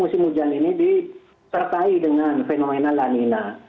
musim hujan ini disertai dengan fenomena lanina